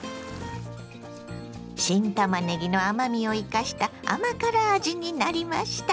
新たまねぎの甘みを生かした甘辛味になりました。